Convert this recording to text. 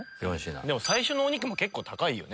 最初のお肉も結構高いよね。